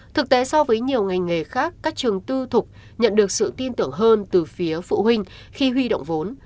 thực tế so với nhiều ngành nghề khác các trường tư thục nhận được sự tin tưởng hơn từ phía phụ huynh khi huy động vốn